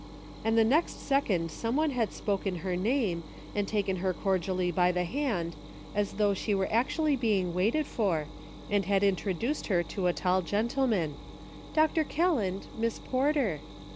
And the next second some one had spoken her name, and taken her cordially by the hand, as though she were actually being waited for, and had introduced her to a tall gentleman :" Dr. Kelland, Miss Porter."